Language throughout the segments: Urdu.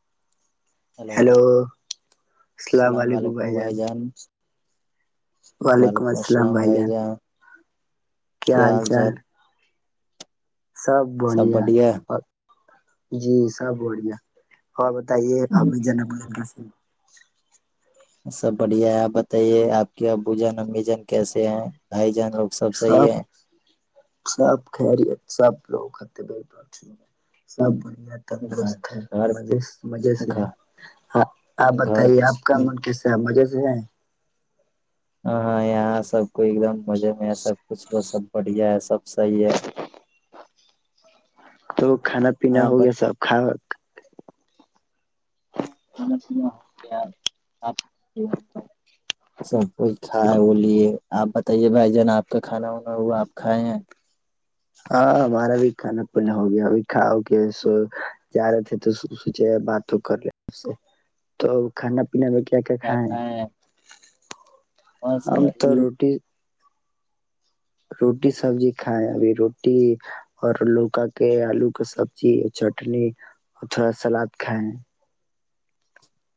[inaudible] ہلو ہیلو اللام علیکم بھائی جان [unintelligible] وعلیکم السلام بھائی جان کیا حال چال سب بڑھیا اور جی سب بڑھیا اور ب [unintelligible] تے ابھی جن ب [unintelligible] ہی [inaudible] سب بڑھیا ہے آپ بتائیے آپ کے ابو جان امی جن کیسے ہیں بھائی جان لوگ صحیح سب ہے سپ خریت [unintelligible] سب لوگ کر ب سب ب [unintelligible] تندرست ہے گھر گھر مز سے مزے سے ہے گھر ہاں آپ گھر بتائیے آپ کا من کیسا ہے مزے سے [unintelligible] ج [unintelligible] ہاں یہاں سب کوئی ایک دم مزے میں ہے سب کچھ سب بڑھیا ہے سب سحیح ہے تو [unintelligible] کھانا پینا ہاں ہو گیا سب کاک [unintelligible] اں کھانا پینا ہو گپ سب کھ کھا ہے وہ لیے آپ بتائیے بھائی جان آپ کا کھانا وا ہوا آپ کھائے ہیں [unintelligible] ہاں ہمارا بھی کھانا پن ہو گیا ا بھی کاؤ کہ جا رہے تھے تو سوچ بات کر ل تو کھانا پنا بک آ کے کیا کائے [unintelligible] کھائے ہیں بس ہم تو وہی روٹی [unintelligible] روٹی سبزی کھائےیں ابھی روٹی اور لوکا کے آلو کا سبزی چٹنی اور تھوڑا سلاد کھائے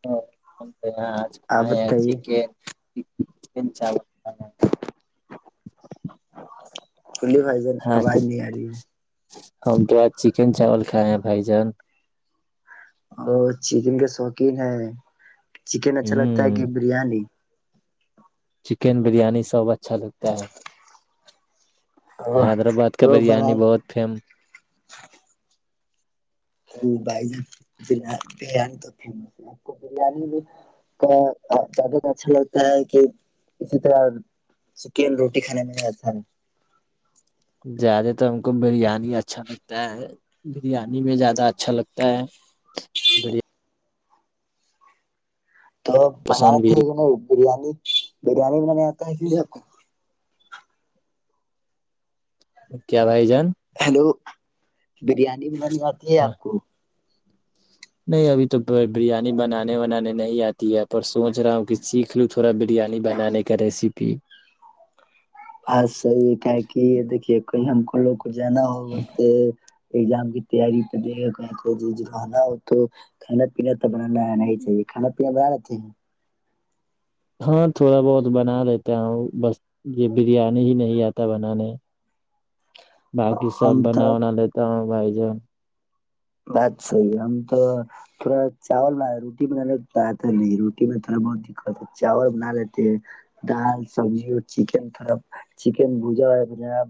ہاں [unintelligible] یہاں آج آپ آ ج بتائیے کے [unintelligible] [unintelligible] بلیے بھائی بن ہاں آواز نہیں آ رہی ہے [unintelligible] ہم کے بعد چکن چاول کھائے ہیں بھائی جان اور چیزن کے شوقین ہے [unintelligible] چکن اچھا لگتا ہے کہ ہ بریانی چکن بریانی سب اچھا لگتا ہے اور حیدرآباد کا تو بنا بریانی بہت فیم بھائی جان بریانی تو فیمس ہے آپ کو بریانی بھی کا زیادہ اچھا لگتا ہے کہ اسی طرح چکن روٹی کھانے میںا ہے [unintelligible] زیادہ تر ہم کو بریانی اچھا لگتا ہے بریانی میں زیادہ اچھا لگتا ہے بری تو بنار پسند تھ بھی گئے ن برییاانی [unintelligible] بریانی بنے آتا ہے پ آ کو [unintelligible] کیا رہائی جا [unintelligible] ہیلو [unintelligible] بریانی ب [unintelligible] تی ہے آپ کو [unintelligible] نہیں ابھی تو بریانی بنانے ونانے نہیں آتی ہے پر سوچ رہا ہوں کہ سیکھ لوں تو تھوڑا بریانی بنانے کا ریسیپی [unintelligible] بس سا یہ کک یہ دیکھیے کہ ہم کووگ [unintelligible] جنا ہوگتےے [unintelligible] ایگزام کی تیاری پے رہنا ہو تو کھانا پینا ب نہیں ج کانا پییا بڑ [unintelligible] ا [inaudible] ہاں تھوڑا بہت بنا دیتا ہوں بس یہ بریانی ہی نہیں آتا بنانے باقی سب ہم بنا تو بنا لیتا ہوں بھائی جان [inaudible] بات صحیح ہم تو تھوڑا چاول بنا روٹی بنانا تو آتا نہیں روٹی میں تھوڑا بہت دقت ہے چاول بنا لیتے ہیں دال سبزی اور چکن تھوڑا چکن بھجاا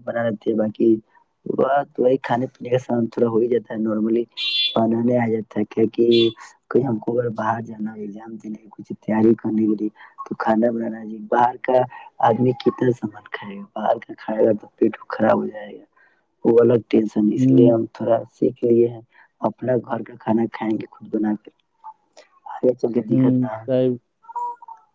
بنا لیتے باقی ب وہی کھانے پینے کا سامان تھوڑا ہو ہی جاتا ہے نارملی [unintelligible] بان نہیں آ جاتا ہے کی کہ کوئی ہم کو اگر باہر جانا ایگام دینے کے کچھ تیاری کرنے کے لیے تو کھانا بنانا جے باہر کا آدمی کتنا سامان کھائے گا باہر کا کھائے گا تو پیٹ خراب ہو جائے گا وہ [unintelligible] ٹینشن اس ہوں لیے ہم تھوڑا [unintelligible] سیکھ لیے ہیں [unintelligible] اپنا گھر کا کھانا کھائیں گے خود بنا کر [unintelligible] ہوں صحب [unintelligible]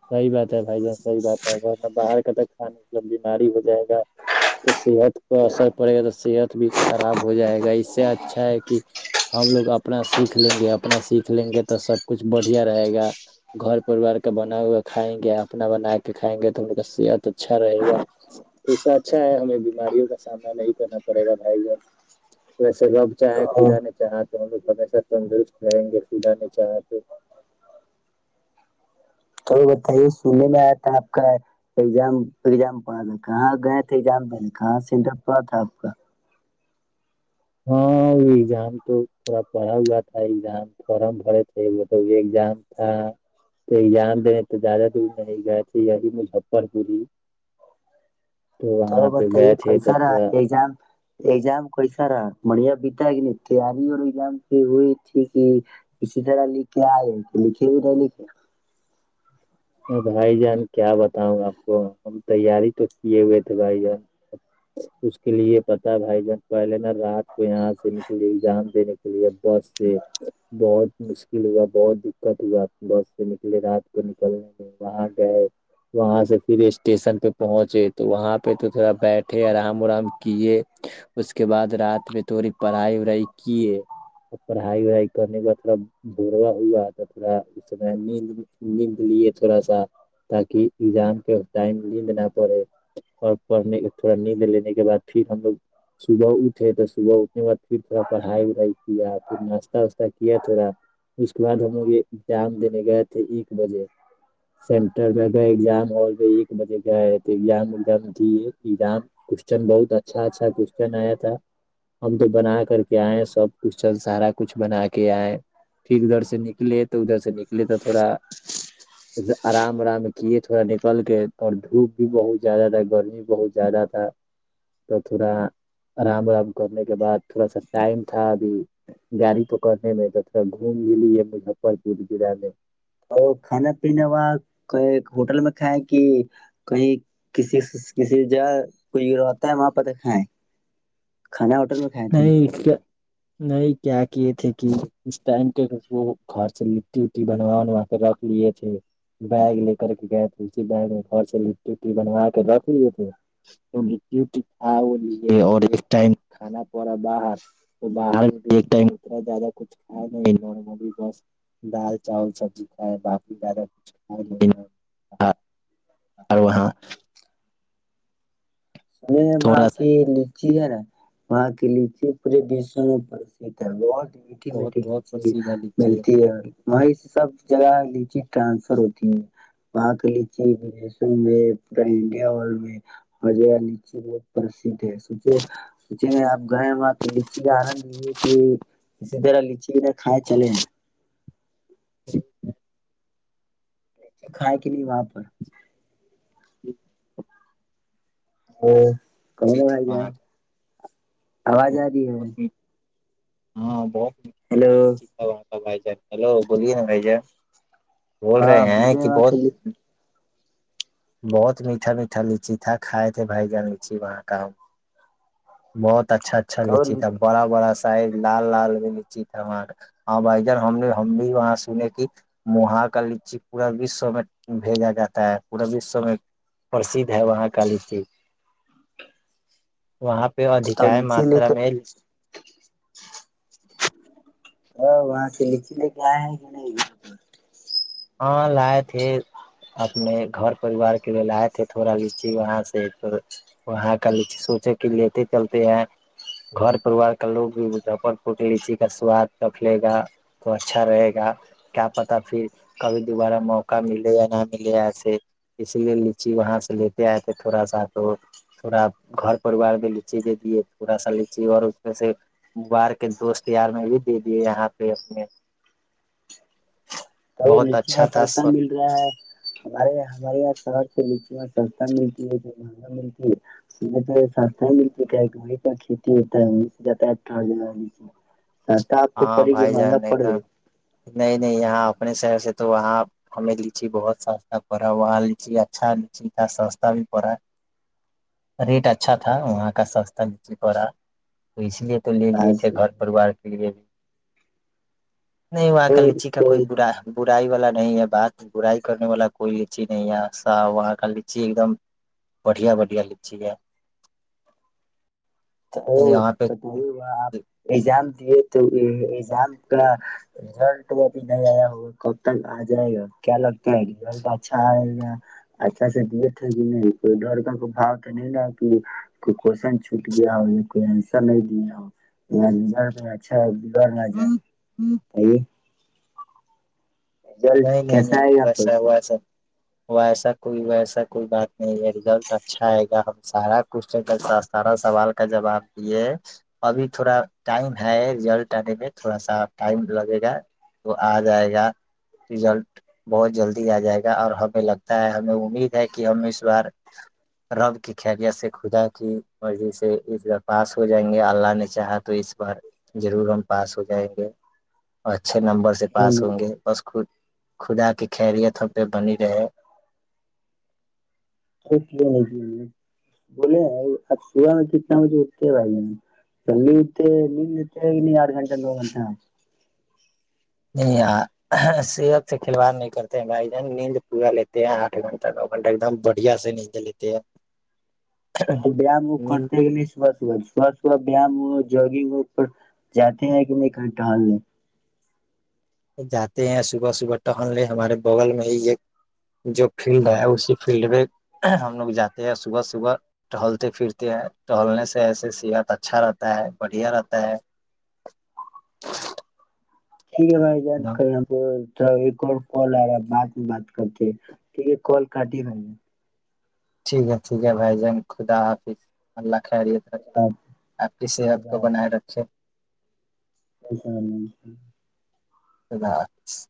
صحی بات ہے بھائی جان صحی بات ہے میں باہر ک تک کھا نہیں [unintelligible] جب بیماری ہو جائے گ [unintelligible] تو صحت پر اثر پڑے گا تو صحت بھی خراب ہو جائے گا اس سے اچھا ہے کہ ہم لوگ اپنا سیکھ لیں گے اپنا سیکھ لیں گے تو سب کچھ [unintelligible] بڑھیا رہے گا گھر پریوار کا بن [unintelligible] ب کھائیں گے اپنا بنا کے کھائیں گے تو ان کا صحت اچھا رہے گا ایسا اچھا ہے ہمیں بیماریوں کا سامنا نہیں کرنا پڑے گا بھائی ج ویسے [unintelligible] چاہائے خدا نے چاہا [unintelligible] تو ہم لوگ ہمیشہ تندرست رہیں گے سد نے چاہا تو [unintelligible] اور بتائیے سننے میں آیا تھا آپ کا ایزام ایزام پڑ کہاں گئے تھے ایگام د کہاں سینٹر پڑا تھا آپ کا [unintelligible] ہاں ایگزام تو تھوڑا پڑا ہوا تھا ایگزام فارم بھرے تھے وہ تو ایگزام تھا تو ایگزام دینے تو زیادہ دور نہیں گئے تھے یہی مظفر پوری [unintelligible] تو وہاں پہ بتائیے گئے تھے کئیسا تو رہا تھوڑا ایزام ایزام کوسا رہا [unintelligible] مڑھیا بتا ہے کہ نہیں تیاری اور ایگزام پ وہی تھی کہ کسی طرح لکھ کے آئے کہ لکھے بھی نہیں لکھے [unintelligible] بھائی جان کیا بتاؤں آپ کو ہم تیاری تو کیے ہوئے تھے بھائی جان اس کے لیے پتا بھائی جان پہلے نا رات کو یہاں سے نکلے ایگزام دینے کے لیے بس سے بہت مشکل ہوا بہت دقت ہوا بس سے نکلی رات کو [unintelligible] وہاں گئے وہاں سے پھر اسٹیشن پہ پہنچے تو وہاں پہ تو تھوڑا بیٹھے آرام ورام کیے اس کے بعد رات میں تھوڑی پڑھائی وڑائی کیے اور پڑھائی وڑائی کرنے بعد تھوڑا بوروا ہوا تھا تھوڑا اس نیند ند [unintelligible] اس لیے تھوڑا سا [unintelligible] تاکہ ایگزام کے ٹائم نیند نہ پڑے اور پڑھنے تھوڑا نیند لینے کے بعد پھر ہم لوگ صبح اٹھے تو صبح اٹھنے کے بعد پھر تھوڑا پڑھائی وڑائی کیا پھر ناشتہ واشہ کیا تھوڑا اس کے بعد ہم لوگ یہ ایگزام دینے گئے تھے ایک بجے [unintelligible] سینٹر میں گئے ایگزام ہال میں ایک بجے گئے [unintelligible] زامام کوشچن بہت اچھا اچھا کوچن آیا تھا ہم تو بنا کر کے آئے سب کون سارا کچھ بنا کے آئے پھر ادھر سے نکلے تو ادھر سے نکلے تو تھوڑا [unintelligible] آرام آرام کیے تھے [unintelligible] تھوڑا نکل کے اور دھوپ بھی بہت زیادہ تھا گرمی بہت زیادہ تھا تو تھوڑا آرام ورام کرنے کے بعد [unintelligible] تھوڑا سا ٹائم تھا [unintelligible] ا گاڑی تو کرنے میں ج تھا گھوم لی ہے مجفر پور جلع میں [unintelligible] تو کھانا پینا وہاں ہوٹل میں کھائیں کہ کہیں کسی کسی جگہ کوئی ہوتا ہے وہاں پہ کھیں [unintelligible] کھانا ہوٹل میں کھائے تھے [unintelligible] نہیں کیا نہیں کیا کہ یہ تھے کہ اس ٹائم کے وہ گھر سے لٹی وٹی بنوا بنوا کے رکھ لیے تھے بیگ لے کر کے گئے تھے اسی بیگ میں گھر سے لٹی و بنوا کے رکھ لیے تھے تو لٹی کھا وہ لیے اور اس ٹائم [unintelligible] کھانا پڑ رہا باہر تو باہر د اتنا زیادہ کچھ کھیا نہیں نارملی بس دال چاول سبزی کھائے باقی زیادہ کچھ کھائے نہیں وہاں [unintelligible] س با تھوڑا سا کہی لی [unintelligible] جی ہے نا وہاں کی لیچی پورےشو میں پرسھ ہے [unintelligible] میٹٹی بہت میٹیھی بہت پر لیچی سیدھا لیجیے ملتی ہے [unintelligible] وہیں سے سب جگہ لیچی ٹرانسفر ہوتی ہے وہاں کی لیچیدیشوں میں پورا انڈیا میں ہو ج [unintelligible] بہت پرسھ ہے سوچے سوچے آپ گئے وہاں تو لچی کا آنند لیجے کہ اسی طرح لچی ن کھائے چلے ہیں کھائے کے لیے وہاں پر ہ کون آ سیکھا ج وہاں آواز آ رہی ہے ہاں بہت ہیلو بھائیا ہیلو بولیے نا بھائی جا بول رہے ہاں ہیں بولے کہ وہاں بہت کے لی- بہت میٹھا میٹھا لچی تھا کھائے تھے بھائی جان لچی وہاں کا ہم بہت [inaudible] اچھا اچھا لچ تو ہے بڑا بڑا سائ لال لال بھی لچی تھا وہاں کا ہاں بھائی جان ہم نے ہم بھی وہاں سنے کہ مہا کا لچی پورا وشو میں بھیجا جاتا ہے پورے وشو میں پرسدھ ہے وہاں کاالیچی وہاں پہ ادھک تو ہے لچی لے ماترا کے میں تو وہاں سے لچی لے کے آئے ہیں کہ نہیں ہاں لائے تھے اپنے گھر پریوار کے لیے لائے تھے تھوڑا لچی وہاں سے تو وہاں کا لچی سوچے کہ لیتے چلتے ہیں گھر پریوار کا لوگ بھی مجفر پور کے لچی کا سواد کفلے گا تو اچھا رہے گا کیا پتا پھر کبھی دوبارہ موقع ملے یا نہ ملے ایسے اسی لیے لچی وہاں سے لیتے آئے تھے تھوڑا سا تو تھوڑا گھر پریوار بھی لچی دے دیے تھوڑا سا لچی اور اس میں سے باہار کے دوست یار میں بھی دے دیے یہاں پہ اپنے تو بہت لچی اچھا کاا تھا سسہ سب۔ مل رہا ہے ہمارے ہمارے یہاں شہر سےچی سستہ ملتی با ملتی ہے س تو سستہ ملتی کیا ہے گاڑ کا کھیتی ہوتا ہے ان سے جات اور جگہے ہاں بھائی جان ایک دم نہیں نہیں یہاں آپ اپنے شہر سے تو وہاں ہمیں لیچی بہت سستا پڑا وہاں لیچی اچھا لیچی تھا سستا بھی پڑا ریٹ اچھا تھا وہاں کا سستا لیچی پڑا تو اس لیے تو لے لیے تھے بس گھر تو پرریوار کے لیے بھی نہیں وہاں کا ل لیچی اس کا کوئی کو برا برائی والا [unintelligible] نہیں ہے بات برائی کرنے والا کوئی اچی نہیں ہےا وہاں کا لچی ایک دم بڑھیا بڑھیا لچی ہے تو یہاں پہ بتائیے ہوا آپ ایگزام دیے تھے ایزام کا رزلٹ ابھی نہیں آیا ہوگا کب تک آ جائے گا کیا لگتا ہے رزلٹ اچھا آئے گا اچھا سے دیے تھے کہ نہیں کوئی ڈر کا کوئی بھاؤ تو نہیں نا کہ کوئی کوشن چ گیا ہو کوئیسر نہیں دیا ہو اچھا [unintelligible] جائے رزلٹ نہیں نہیں کیسا نہیں آئے گا ویسا وسا و ایسا کوئی ویسا کوئی بات نہیں ہے رزلٹ اچھا آئے گا ہم سارا کون سارا سوال کا جواب دیے ابھی تھوڑا ٹائم ہے رزلٹ آنے میں تھوڑا سا ٹائم لگے گا تو آ جائے گا رزلٹ بہت جلدی آ جائے گا اور ہمیں لگتا ہے ہمیں امید ہے کہ ہم اس بار رب کی خیفیت سے خدا کی مرضی سے اس بار پاس ہو جائیں گے اللہ نے چاہا تو اس بار ضرور ہم پاس ہو جائیں گے اچھے نمبر سے پاس ہوں گے [unintelligible] خدا کی خیریت ہو پہ بنی رہے ک نہیں بولے اب صبح میں کتنا بجے اٹتے ہیں بھائی جلدی اٹھتے مل لیتے ہیں کہ نہیں آٹھ گھنٹہ دو گھنٹہ یہ صحت سے کھلواڑ نہیں کرتےائی نیند پورا لیتے ہیں آٹھ گھنٹہ نو گھنٹہ ایک دم بڑھیا سے نیند لیتے ہیں تو بیام وہ کرتے نیند کہ نہیں ساص ہوا شاص ہوا بیام ہو جوگ پر جاتے ہیں کہ نہیں کہ ٹہالنے جاتے ہیں صبح صبح ٹہلنے ہمارے بغل میں ہی ایک جو فیلڈ ہے اسی فیلڈ میں ہم لوگ جاتے ہیں صبح صبح ٹہلتے پھرتے ہیں ٹہلنے سے ایسے صحت اچھا رہتا ہے بڑھیا رہتا ہے ٹھیک ہے بھائی جان کرنا کو تو ایک کال آا بات میں بات کرتی ٹیک ہے کال کاٹی میں نے ٹھیک ہے ٹھیک ہے بھائی جان خدا حافظ اللہ خیریت رکھے آپ۔ آپ کی صحت کو بنائے رکھے جس خدا حافظ